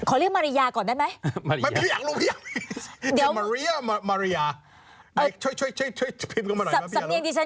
อ๋อโอเค